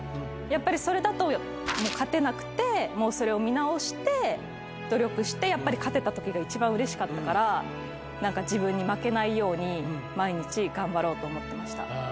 やっぱりそれだと勝てなくてそれを見直して努力してやっぱり勝てたときが一番うれしかったから自分に負けないように毎日頑張ろうと思ってました。